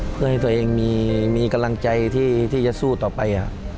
เพื่อให้ตัวเองมีกำลังใจที่จะสู้ต่อไป